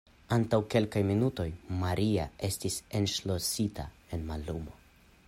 Antaŭ kelkaj minutoj, Maria estis enŝlosita en mallumo.